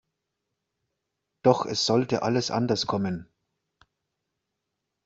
Doch es sollte alles anders kommen.